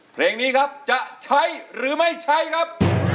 เพลงนี้ครับจะใช้หรือไม่ใช้ครับ